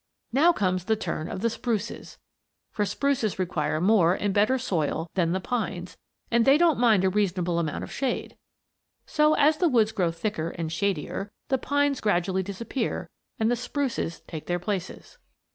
Now comes the turn of the spruces. For spruces require more and better soil than the pines and they don't mind a reasonable amount of shade. So, as the woods grow thicker and shadier, the pines gradually disappear and the spruces take their places.